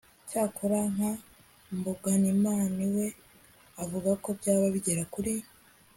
cyakora nka g. mbonimana we avugako byaba bigera kuri